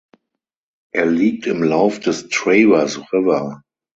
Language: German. Er liegt im Lauf des Travers River.